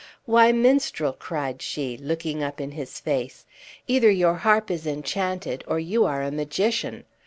"Why, minstrel," cried she, looking up in his face, "either your harp is enchanted, or you are a magician.